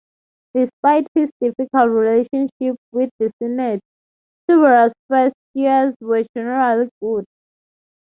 Despite his difficult relationship with the Senate, Tiberius' first years were generally good.